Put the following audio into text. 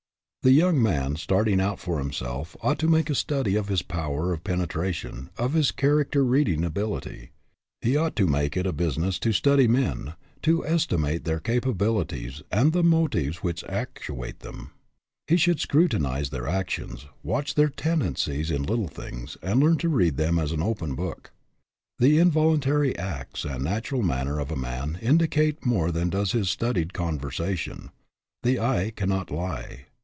The young man starting out for himself ought to make a study of his power of penetra tion, of his character reading ability. He ought to make it a business to study men, to estimate their capabilities and the motives which actuate them. He should scrutinize their actions, watch their tendencies in little things, and learn to read them as an open book. The involuntary acts and natural manner of a man indicate more than does his studied conversation. The eye cannot lie.